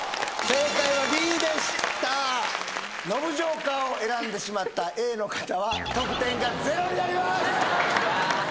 正解はＢでしたノブジョーカーを選んでしまったＡの方は得点がゼロになります！